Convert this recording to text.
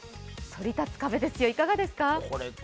そり立つ壁ですよ、いかがですか？